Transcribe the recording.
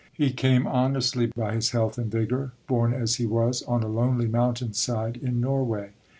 He came honestly by his health and vigour, born as he was on a lonely mountain side in Norway.